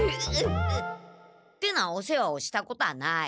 ってなお世話をしたことはない。